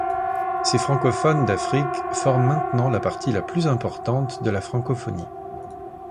Ces francophones d'Afrique forment maintenant la partie la plus importante de la Francophonie.